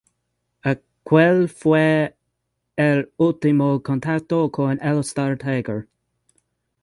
Aquel fue el último contacto con el "Star Tiger".